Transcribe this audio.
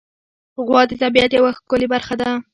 غوا د طبیعت یوه ښکلی برخه ده.